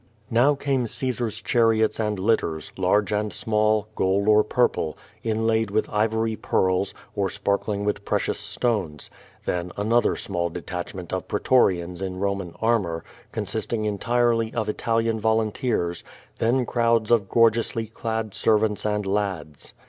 Now came Caesar's chariots and litters, large and small, gold or purple, inlaid with ivory pearls, or sparkling Avith precious stones; then another small detachment of pretorians in Eoman armor, consisting entirely of Italian volunteers; then crowds of gorgeously clad servants and lads.